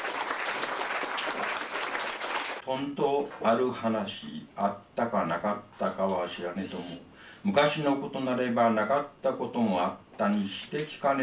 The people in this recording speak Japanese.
ほんとある話あったかなかったかは知らねども昔のことなればなかったこともあったにして聞かねばならぬ。